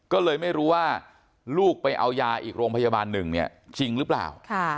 ก็เลยไม่รู้ว่าลูกไปเอายาอีกโรงพยาบาลหนึ่งเนี่ยจริงหรือเปล่า